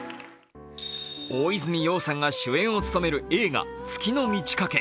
大泉洋さんが主演を務める映画「月の満ち欠け」。